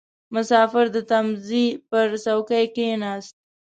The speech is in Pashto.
• مسافر د تمځي پر څوکۍ کښېناست.